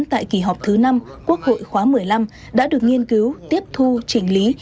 tại kỳ họp thứ năm quốc hội khóa một mươi năm đã được nghiên cứu tiếp thu chỉnh lý